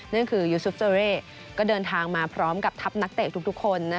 นั่นคือยูซุปเตอเร่ก็เดินทางมาพร้อมกับทัพนักเตะทุกคน